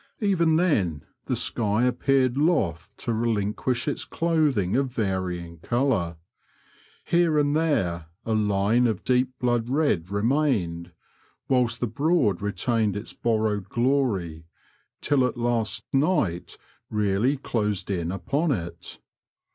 Even then the sky appeared loth to relinquish its clothing of varying colour ; here and there a line of deep blood red remained, whilst th^ Broad retained its borrowed glory till at last night really closed in upon it.